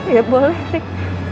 ya boleh rik